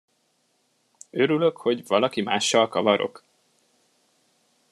Örülök, hogy valaki mással kavarok?